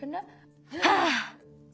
はあ！